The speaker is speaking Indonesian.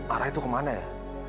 arah itu kemana ya